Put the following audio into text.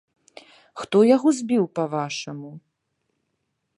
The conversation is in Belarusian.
Хто яго збіў, па-вашаму?